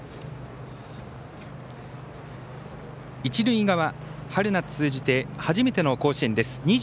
一塁側、春夏通じて初めての甲子園です。